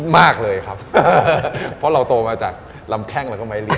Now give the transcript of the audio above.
มากเลยครับเพราะเราโตมาจากลำแข้งเราก็ไม้เรีย